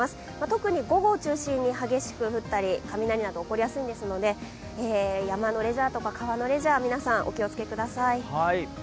特に午後を中心に激しく降ったり、雷など起こりやすいので山のレジャーとか、川のレジャー、皆さん、お気をつけください。